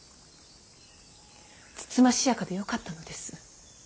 つつましやかでよかったのです。